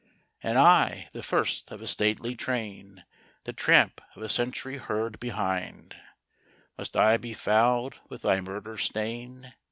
" And I, the first of a stately train, The tramp of a century heard behind, Must I be fouled with thy murder stain?